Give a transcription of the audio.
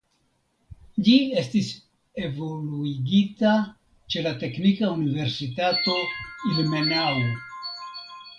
Ĝi estis evoluigita ĉe la Teknika Universitato Ilmenau.